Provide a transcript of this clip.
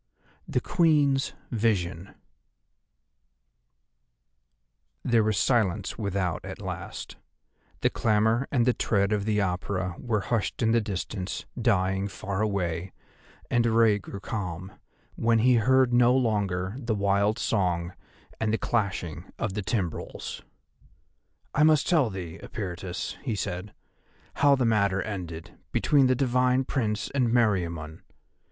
THE QUEEN'S VISION There was silence without at last; the clamour and the tread of the Apura were hushed in the distance, dying far away, and Rei grew calm, when he heard no longer the wild song, and the clashing of the timbrels. "I must tell thee, Eperitus," he said, "how the matter ended between the divine Prince and Meriamun.